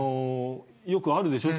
よくあるでしょ。